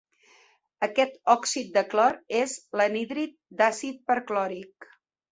Aquest òxid de clor és l'anhídrid d'àcid perclòric.